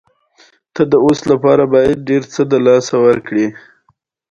اېرفوډ پرو د اېپل نوی جنس دی